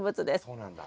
そうなんだ。